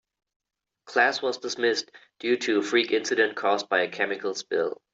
Class was dismissed due to a freak incident caused by a chemical spill.